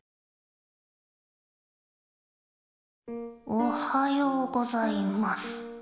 おはようございます。